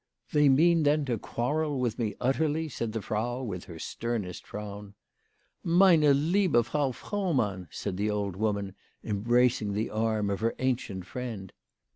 " They mean then to quarrel with me utterly ?" said the Frau with her sternest frown. " Meine Hebe Frau Frohmann !" said the old woman, embracing the arm of her ancient friend.